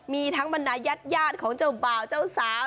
มีทั้งบรรดายาดของเจ้าบ่าวเจ้าสาว